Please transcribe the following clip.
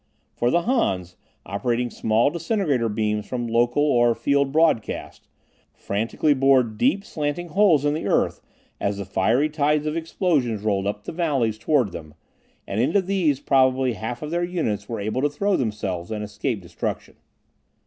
For the Hans, operating small disintegrator beams from local or field broadcasts, frantically bored deep, slanting holes in the earth as the fiery tides of explosions rolled up the valleys toward them, and into these probably half of their units were able to throw themselves and escape destruction.